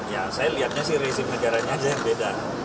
ya saya lihatnya sih resim negaranya aja yang beda